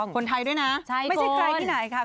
คนไทยด้วยนะไม่ใช่ใครที่ไหนค่ะ